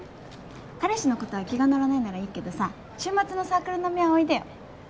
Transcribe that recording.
彼氏のことは気が乗らないならいいけどさ週末のサークル飲みはおいでよ。